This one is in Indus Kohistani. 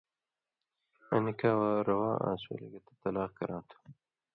آں نِکاح رَوا آن٘س ولے گتہ طلاق کرا تُھو